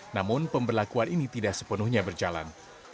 namun pemberlakuan ini tidak sepenuhnya berjalan